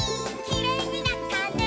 「きれいになったね」